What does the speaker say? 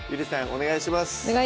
お願いします